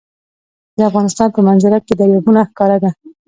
د افغانستان په منظره کې دریابونه ښکاره ده.